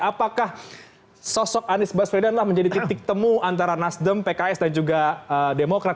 apakah sosok anies baswedan lah menjadi titik temu antara nasdem pks dan juga demokrat